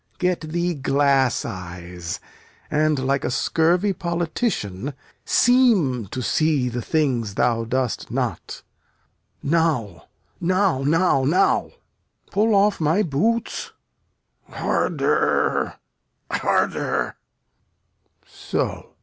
Get thee glass eyes And, like a scurvy politician, seem To see the things thou dost not. Now, now, now, now! Pull off my boots. Harder, harder!